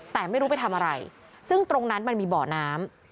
แต่ไม่รู้ไปทำอะไรซึ่งตรงนั้นมันมีบ่อน้ำ